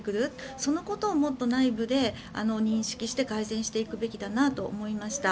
そのことをもっと内部で認識して改善していくべきだと思いました。